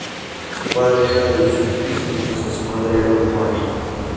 Su padre era de origen suizo mientras que su madre era uruguaya.